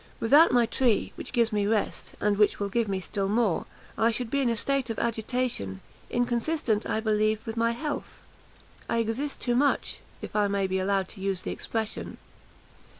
Without my tree, which gives me rest, and which will give me still more, I should be in a state of agitation, inconsistent, I believe, with my health. I exist too much, if I may be allowed to use the expression."